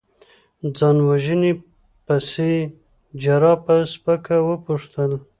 ځان وژنې پسې؟ جراح په سپکه وپوښتل.